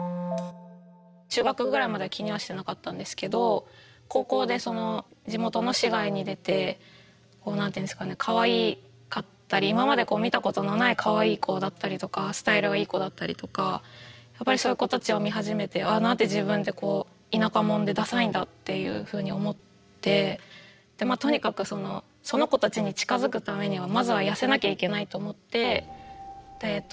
中学ぐらいまでは気にはしてなかったんですけど高校で地元の市外に出て何ていうんですかねかわいかったり今まで見たことのないかわいい子だったりとかスタイルがいい子だったりとかやっぱりそういう子たちを見始めてああなんて自分って田舎者でダサいんだっていうふうに思ってとにかくその子たちに近づくためにはまずは痩せなきゃいけないと思ってダイエットして。